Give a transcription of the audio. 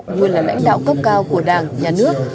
nguyên là lãnh đạo cấp cao của đảng nhà nước